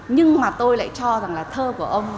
nhưng mà tôi lại cho rằng là thơ của ông